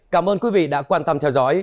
cảm ơn quý vị đã quan tâm theo dõi